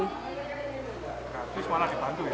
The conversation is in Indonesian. nah terus mana dibantu ya